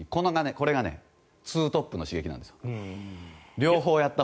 これがツートップの刺激なんですよ。